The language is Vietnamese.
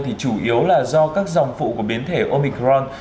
thì chủ yếu là do các dòng phụ của biến thể omicron